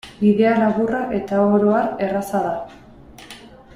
Bidea laburra eta oro har erraza da.